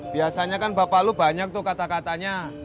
biasanya kan bapak lu banyak tuh kata katanya